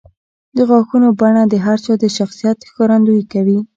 د غاښونو بڼه د هر چا د شخصیت ښکارندویي کوي.